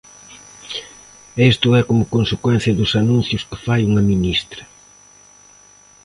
E isto é como consecuencia dos anuncios que fai unha ministra.